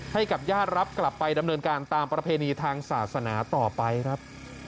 ให้กับญาติรับกลับไปดำเนินการตามประเพณีทางศาสนาต่อไปครับ